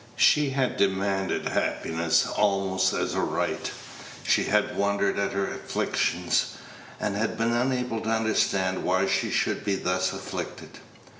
She had demanded happiness almost as a right; she had wondered at her afflictions, and been unable to understand why she should be thus afflicted.